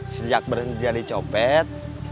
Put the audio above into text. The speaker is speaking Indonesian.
sejak berhenti jadi copet